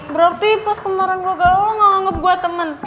berarti pas kemarin gue ke lo lo gak anggap gue temen